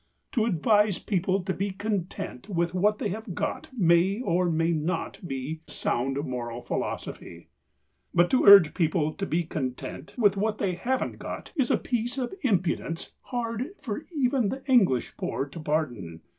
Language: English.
To advise people to be content with what they have got may or may not be sound moral philosophy. But to urge people to be content with what they haven't got is a piece of impudence hard for even the English poor to pardon.